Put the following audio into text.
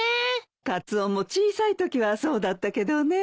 カツオも小さいときはそうだったけどね。